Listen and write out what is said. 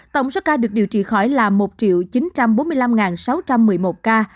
tổng số ca được điều trị khỏi là một chín trăm bốn mươi năm sáu trăm một mươi một ca